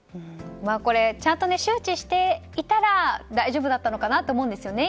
ちゃんと周知していたら大丈夫だったのかなと思うんですよね